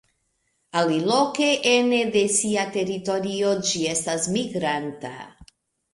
Aliloke ene de sia teritorio ĝi estas migranta.